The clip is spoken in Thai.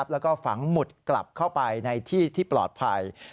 แล้วก็ฝังหมุดกลับเข้าไปในที่ที่ปลอดภัย